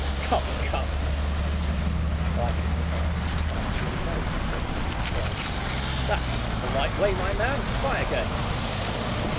"Come, come," said the lieutenant, wiping his eyes and trying to look very important and stern, "that's not the right way, my man. Try again."